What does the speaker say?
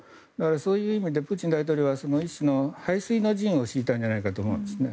そういう意味でプーチン大統領は背水の陣を敷いたんじゃないかと思いますね。